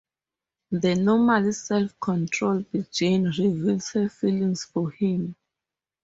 The normally self-controlled Jane reveals her feelings for him.